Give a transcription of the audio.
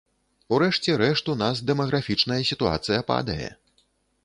У рэшце рэшт, у нас дэмаграфічная сітуацыя падае.